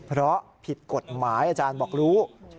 เพราะผิดกฎหมายอาจารย์บอกรู้